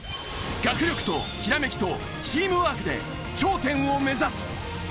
学力とひらめきとチームワークで頂点を目指す！